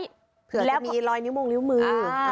เผื่อจะมีรอยนิ้วมงลิ้วมือ